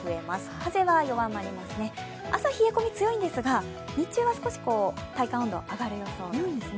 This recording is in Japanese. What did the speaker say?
風は弱まりますね、朝、冷え込み強いんですが日中は少し体感温度、上がる予想なんですね。